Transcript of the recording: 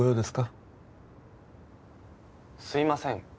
すいません。